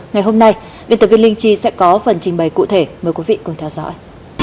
ngày hôm nay biên tập viên linh chi sẽ có phần trình bày cụ thể mời quý vị cùng theo dõi